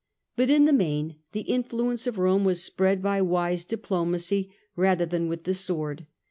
But in the main the influence of Rome was spread by wise diplomacy rather than with the sword.